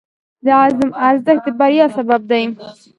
د عزم ارزښت د بریا سبب دی.